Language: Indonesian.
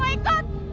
aku tidak mau ikut